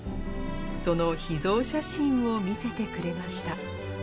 その秘蔵写真を見せてくれました。